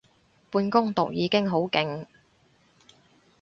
半工讀已經好勁